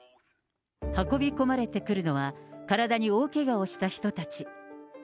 運び込まれてくるのは、体に大けがをした人たち。